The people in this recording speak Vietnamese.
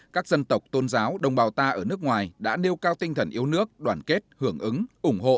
các dân tộc tôn giáo đồng bào ta ở nước ngoài đã nêu cao tinh thần yêu nước đoàn kết hưởng ứng ủng hộ